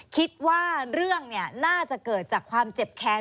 คิดว่าเรื่องน่าจะเกิดจากความเจ็บแค้น